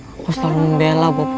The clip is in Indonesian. aku selalu membela bopongmu